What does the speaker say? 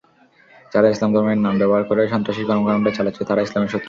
যারা ইসলাম ধর্মের নাম ব্যবহার করে সন্ত্রাসী কর্মকাণ্ড চালাচ্ছে, তারা ইসলামের শত্রু।